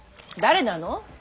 誰なの？